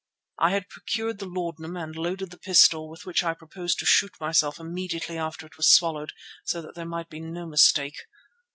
I had procured the laudanum and loaded the pistol with which I proposed to shoot myself immediately after it was swallowed so that there might be no mistake.